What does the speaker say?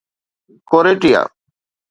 ڪوريٽيا